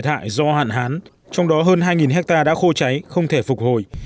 thiệt hại do hạn hán trong đó hơn hai hectare đã khô cháy không thể phục hồi